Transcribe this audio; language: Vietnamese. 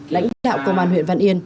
lãnh đạo công an huyện văn yên